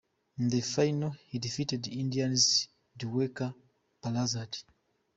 In the final he defeated India's Diwakar Prasad.